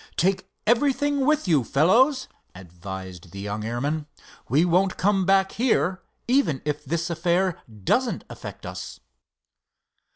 Take everything with you, fellows," advised the young airman. "We won't come back here, even if this affair doesn't affect us."